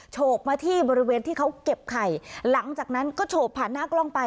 โฉบมาที่บริเวณที่เขาเก็บไข่หลังจากนั้นก็โฉบผ่านหน้ากล้องไป